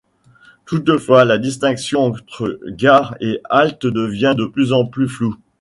Toutefois, la distinction entre gare et halte devient de plus en plus floue.